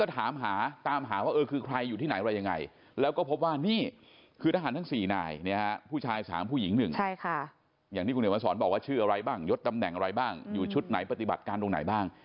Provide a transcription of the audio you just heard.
ตำแหน่งอะไรบ้างอยู่ชุดไหนปฏิบัติการตรงไหนบ้าง